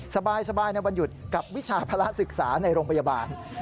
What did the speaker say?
สบายในวันหยุดกับวิชาภาระศึกษาในโรงพยาบาล